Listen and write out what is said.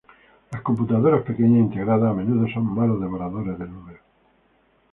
Los computadores pequeños integrados, a menudo son malos devoradores de números.